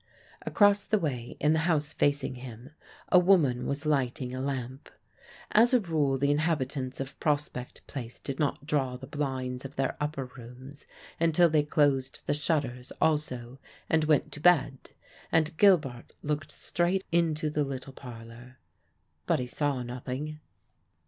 Across the way, in the house facing him, a woman was lighting a lamp. As a rule the inhabitants of Prospect Place did not draw the blinds of their upper rooms until they closed the shutters also and went to bed: and Gilbart looked straight into the little parlour. But he saw nothing.